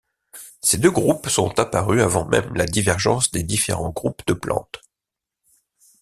Ces deux groupes sont apparus avant même la divergence des différents groupes de plantes.